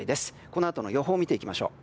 このあとの予報を見ていただきましょう。